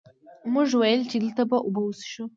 مونږ ويل چې دلته به اوبۀ وڅښو ـ